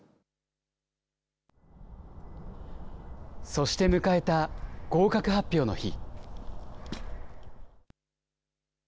そして迎えた合格発表の日。